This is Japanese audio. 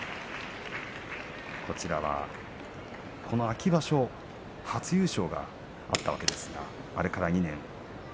こちらは、この秋場所初優勝があったわけですがあれから２年。